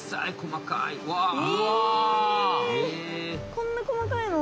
こんなこまかいの？